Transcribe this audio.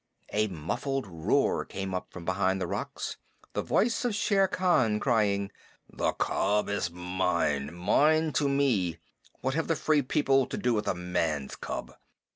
A muffled roar came up from behind the rocks the voice of Shere Khan crying: "The cub is mine. Give him to me. What have the Free People to do with a man's cub?"